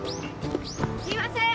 すいませーん。